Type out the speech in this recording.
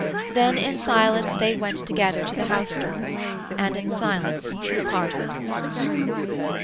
Then in silence they went together to the house door, and in silence parted.